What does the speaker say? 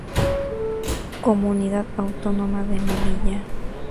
Comunidad Autónoma de Melilla.